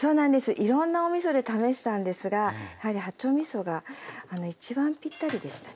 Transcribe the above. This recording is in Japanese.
いろんなおみそで試したんですがやはり八丁みそが一番ぴったりでしたね。